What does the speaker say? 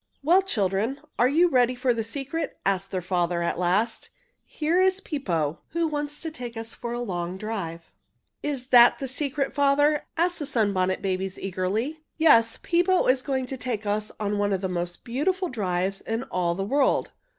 "Well, children, are you ready for the secret?" asked their father, at last. "Here is Pippo, who wants to take us for a long drive." "Is that the secret, father?" asked the Sunbonnet Babies eagerly. "Yes, Pippo is going to take us on one of the most beautiful drives in all the world.